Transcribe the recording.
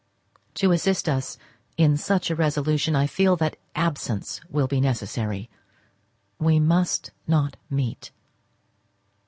To assist us in such a resolution I feel that absence will be necessary. We must not meet.